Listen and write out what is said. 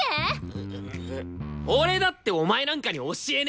うぐ俺だってお前なんかに教えねよ！